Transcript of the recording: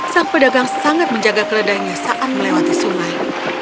sang pedagang sangat menjaga keledainya saat melewati sungai